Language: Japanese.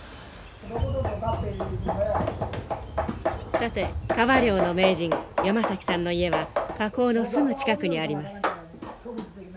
さて川漁の名人山崎さんの家は河口のすぐ近くにあります。